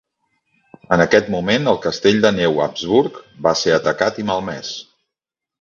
En aquest moment el castell de Neu Habsburg va ser atacat i malmès.